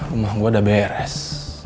rumah gue sudah beres